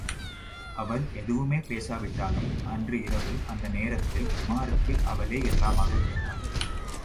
அவள் எதுவுமே பேசாவிட்டாலும், அன்று இரவில் அந்த நேரத்தில் உமாருக்கு அவளே எல்லாமாக இருந்தாள்.